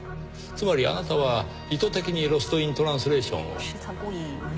つまりあなたは意図的にロスト・イン・トランスレーションを。